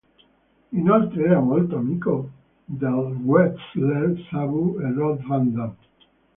Inoltre era molto amico dei wrestler Sabu e Rob Van Dam.